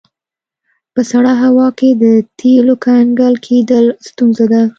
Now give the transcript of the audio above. په سړه هوا کې د تیلو کنګل کیدل ستونزه ده